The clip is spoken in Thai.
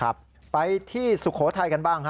ครับไปที่สุโขทัยกันบ้างฮะ